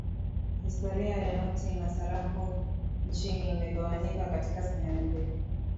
historia ya noti na sarafu nchini imegawanyika katika sehemu mbili